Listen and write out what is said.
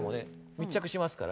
密着しますから。